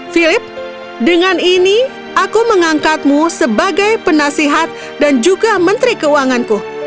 philip dengan ini aku mengangkatmu sebagai penasihat dan juga menteri keuanganku